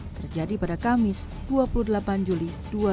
terjadi pada kamis dua puluh delapan juli dua ribu dua puluh